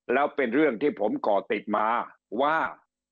แล้วเป็นเรื่องที่ผมก่อติดมาว่า